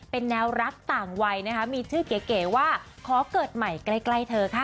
เป็นแนวรักต่างวัยนะคะมีชื่อเก๋ว่าขอเกิดใหม่ใกล้เธอค่ะ